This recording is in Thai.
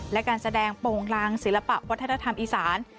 และการแสดงโป่งลางศิลปะวัฒนธรรมอีสาน